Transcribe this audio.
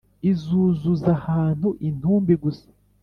Izuzuza ahantu intumbi gusa,